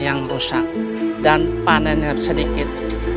yang rusak dan panennya sedikit